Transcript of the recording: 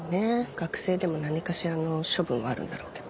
学生でも何かしらの処分はあるんだろうけど。